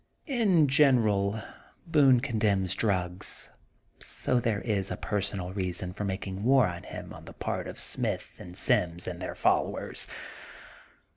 In general Boone condemns drugs, so there is a personal reason for making war on him on the part of Smith and Sims and their followers.